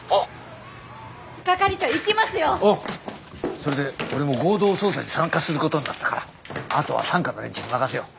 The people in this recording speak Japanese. それで俺も合同捜査に参加することになったからあとは三課の連中に任せよう。